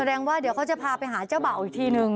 แสดงว่าเดี๋ยวเขาจะพาไปหาเจ้าบ่าวอีกทีนึง